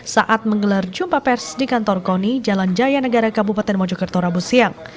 saat menggelar jumpa pers di kantor koni jalan jaya negara kabupaten mojokerto rabu siang